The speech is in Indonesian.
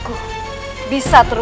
kamu harus percaya kepadaku rai